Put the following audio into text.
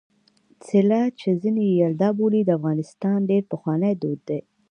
څِله چې ځيني يې یلدا بولي د افغانستان ډېر پخوانی دود دی.